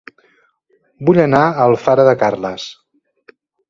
Vull anar a Alfara de Carles